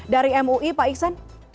dari mui pak iksan